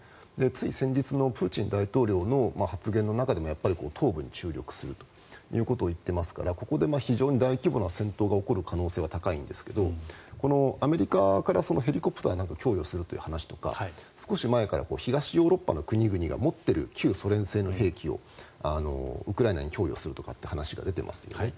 つい先日のプーチン大統領の発言の中でもやっぱり東部に注力するということを言ってますからここで非常に大規模な戦闘が起こる可能性は高いんですがアメリカからヘリコプターなんかを供与するという話とか少し前から東ヨーロッパの国々が持っている旧ソ連製の兵器をウクライナに供与するという話が出てますよね。